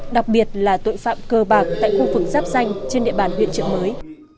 đặc biệt là tội phạm cơ bạc tại khu vực giáp danh trên địa bàn huyện trợ mới